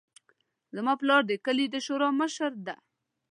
زما پلار د کلي د شورا مشر ده